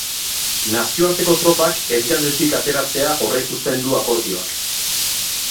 Nazioarteko tropak herrialdetik ateratzea aurreikusten du akordioak.